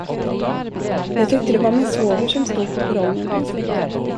Jag tyckte det var min svåger som stod på perrongen.